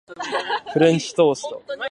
フレンチトースト